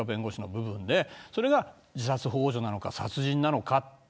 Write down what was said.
それが自殺ほう助なのか殺人なのか。